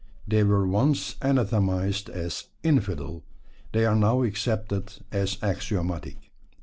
They were once anathematised as "infidel"; they are now accepted as axiomatic.